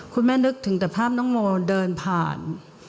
นึกถึงแต่ภาพน้องโมเดินผ่าน